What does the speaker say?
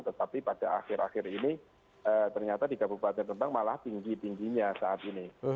tetapi pada akhir akhir ini ternyata di kabupaten rembang malah tinggi tingginya saat ini